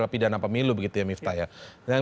pidana pemilu begitu ya miftah ya dan